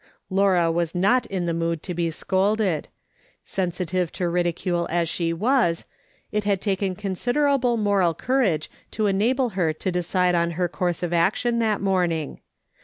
Laura was not in the mood to be scolded ; sensi tive to ridicule as she was, it had taken considerable moral courage to enable her to decide on her course of action that morning.